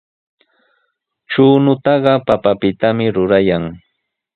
Chuñutaqa papapitami rurayan.